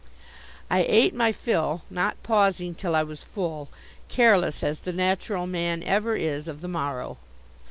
I ate my fill, not pausing till I was full, careless, as the natural man ever is, of the morrow.